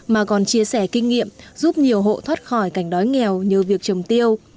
mà còn chia sẻ kinh nghiệm giúp nhiều hộ thoát khỏi cảnh đói nghèo nhờ việc trồng tiêu